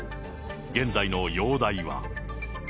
現在の容体は。